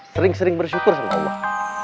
sering sering bersyukur sama allah